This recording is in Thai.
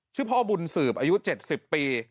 ชื่อพ่อบุญสืบอายุ๗๐ปี